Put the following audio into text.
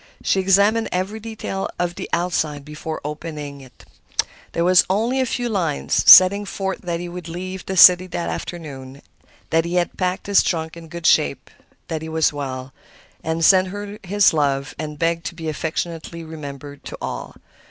She examined every detail of the outside before opening it. There were only a few lines, setting forth that he would leave the city that afternoon, that he had packed his trunk in good shape, that he was well, and sent her his love and begged to be affectionately remembered to all.